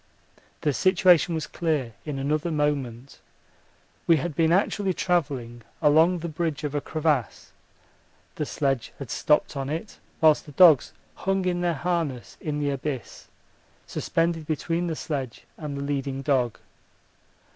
The situation was clear in another moment. We had been actually travelling along the bridge of a crevasse, the sledge had stopped on it, whilst the dogs hung in their harness in the abyss, suspended between the sledge and the leading dog.